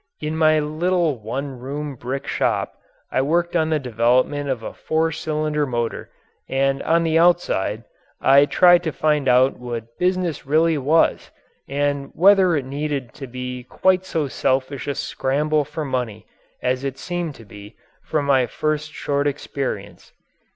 In my little one room brick shop I worked on the development of a four cylinder motor and on the outside I tried to find out what business really was and whether it needed to be quite so selfish a scramble for money as it seemed to be from my first short experience.